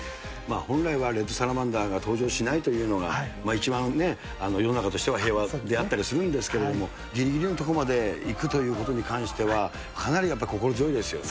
本来はレッドサラマンダーが登場しないというのが一番ね、世の中としては平和であったりするんですけれども、ぎりぎりの所まで行くということに関しては、かなり心強いですよね。